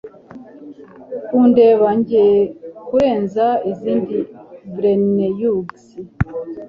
kundeba njye kurenza izindi breneux